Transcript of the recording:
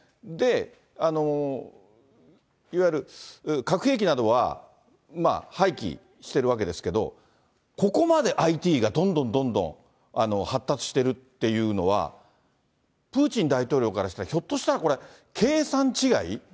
で、いわゆる核兵器などは廃棄してるわけですけど、ここまでＩＴがどんどんどんどん発達してるっていうのは、プーチン大統領からしたら、ひょっとしたらこれ、計算違い？